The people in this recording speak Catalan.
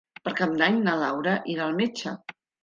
Per Cap d'Any na Laura irà al metge.